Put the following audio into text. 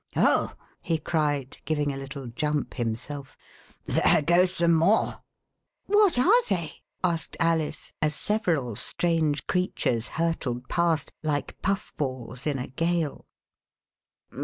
Oh," he cried, giving a little jump himself, " there go some more !" "What are they?" asked Alice, as several strange creatures hurtled past, like puff balls in a gale.